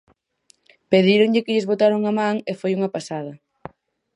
Pedíronlle que lles botara unha man e "foi unha pasada".